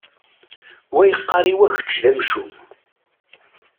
Wa yeqqar i wa kečč d amcum.